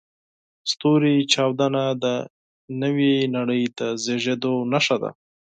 د ستوري چاودنه د نوې نړۍ د زېږېدو نښه ده.